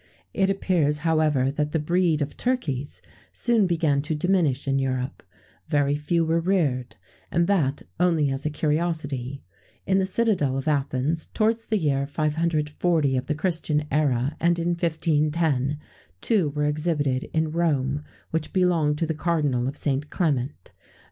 [XVII 108] It appears, however, that the breed of turkeys soon began to diminish in Europe; very few were reared, and that only as a curiosity: in the citadel of Athens, towards the year 540 of the Christian era;[XVII 109] and in 1510, two were exhibited in Rome, which belonged to the Cardinal of Saint Clement.